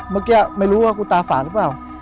เมื่อกี้ไม่รู้ว่ากูตาฝาดหรือเปล่า